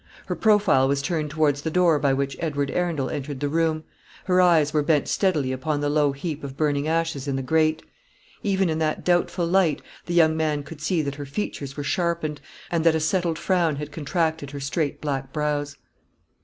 Her profile was turned towards the door by which Edward Arundel entered the room; her eyes were bent steadily upon the low heap of burning ashes in the grate. Even in that doubtful light the young man could see that her features were sharpened, and that a settled frown had contracted her straight black brows.